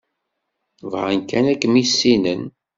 Bɣan kan ad kem-issinen.